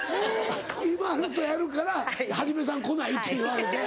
ＩＭＡＬＵとやるから元さん来ない？って言われて。